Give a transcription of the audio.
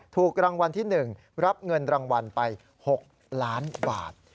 ถูกรางวัลที่๑รับเงินรางวัลไป๖ล้านบาท